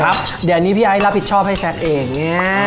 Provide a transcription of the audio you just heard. เดี๋ยวนี้พี่ไอ้รับผิดชอบให้แซคเอง